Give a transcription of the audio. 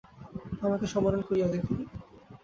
আমাকে সমরণ করিয়া দেখুন।